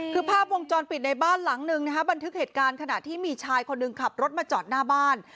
คือภาพวงจรปิดในบ้านหลังหนึ่งนะคะบันทึกเหตุการณ์ขณะที่มีชายคนหนึ่งขับรถมาจอดหน้าบ้าน